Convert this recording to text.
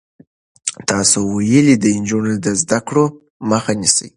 تاسو ولې د نجونو د زده کړو مخه نیسئ؟